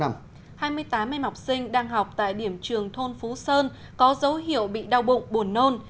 hai mươi tám em học sinh đang học tại điểm trường thôn phú sơn có dấu hiệu bị đau bụng buồn nôn